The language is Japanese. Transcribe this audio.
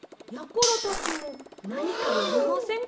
ころたちもなにかやりませんか？